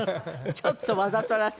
ちょっとわざとらしい。